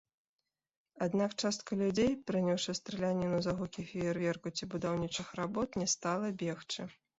Аднак частка людзей, прыняўшы страляніну за гукі феерверку ці будаўнічых работ, не стала бегчы.